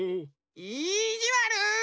いじわる！